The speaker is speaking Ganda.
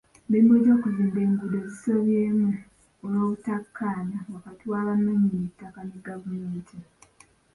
Emirimu gy'okuzimba enguudo gisoobyemu olw'obutakkaanya wakati wa bannannyini ttaka ne gavumenti.